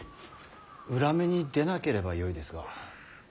裏目に出なければよいですが。